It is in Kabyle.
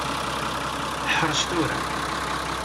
Ḥrec tura.